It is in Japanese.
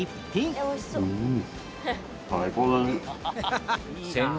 うん！